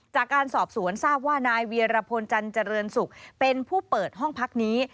จากการสอบสวนทราบว่านายเวียรพลจันเจริญศุกร์เป็นผู้เปิดห้องพักนี้